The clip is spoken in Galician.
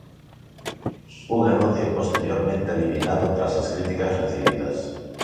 Un anuncio posteriormente eliminado tras as críticas recibidas.